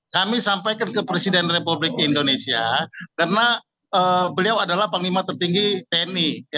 kami sampaikan ke presiden republik indonesia karena beliau adalah panglima tertinggi tni